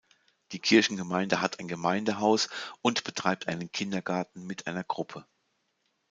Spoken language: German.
Die Kirchengemeinde hat ein Gemeindehaus und betreibt einen Kindergarten mit einer Gruppe.